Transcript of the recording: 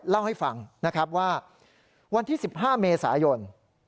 เล่าให้ฟังนะครับว่าวันที่๑๕เมษายน